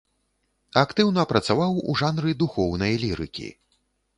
Актыўна працаваў у жанры духоўнай лірыкі.